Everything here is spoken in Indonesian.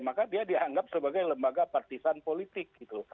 maka dia dianggap sebagai lembaga partisan politik gitu